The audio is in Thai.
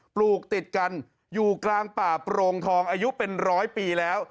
ปลูกติดกันอยู่กลางป่าโปรงทองอายุเป็นร้อยปีแล้ว